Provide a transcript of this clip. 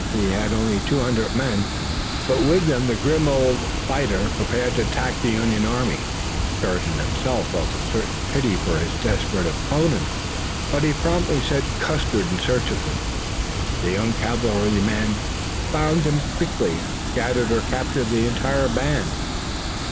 He had only two hundred men, but with them the grim old fighter prepared to attack the Union army. Sheridan himself felt a certain pity for his desperate opponent, but he promptly sent Custer in search of him. The young cavalryman quickly found him and scattered or captured the entire band.